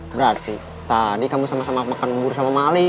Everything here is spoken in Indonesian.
berarti tadi kamu sama sama makan bubur sama mali